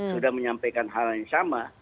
sudah menyampaikan hal yang sama